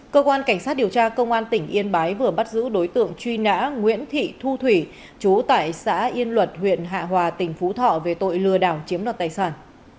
cơ quan cảnh sát điều tra công an tỉnh yên bái vừa bắt giữ đối tượng truy nã nguyễn thị thu thủy chú tại xã yên luật huyện hạ hòa tỉnh phú thọ về tội lừa đảo chiếm đoạt tài sản